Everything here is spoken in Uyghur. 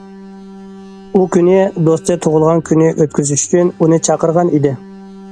ئۇ كۈنى دوستى تۇغۇلغان كۈنى ئۆتكۈزۈش ئۈچۈن ئۇنى چاقىرغان ئىدى.